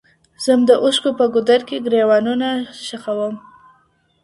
ځم د اوښکو په ګودر کي ګرېوانونه ښخومه.